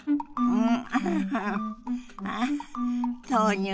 うん。